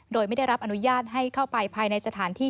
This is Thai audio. โดยไม่ได้รับอนุญาตให้เข้าไปภายในสถานที่